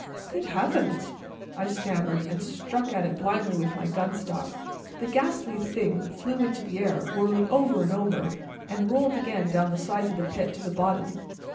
"Good heavens!" I stammered, and struck at it blindly with my gunstock. The ghastly thing flew into the air, whirling over and over, and rolled again down the sides of the pit to the bottom.